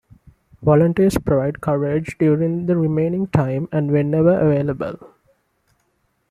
Volunteers provide coverage during the remaining times and whenever available.